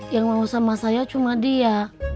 yang mau sama saya cuma dia